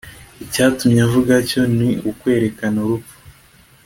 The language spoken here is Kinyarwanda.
icyatumye avuga atyo ni ukwerekana urupfu